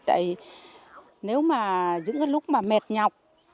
tại nếu mà những cái lúc mà mệt nhọc